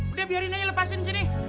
udah biarin aja lepasin sini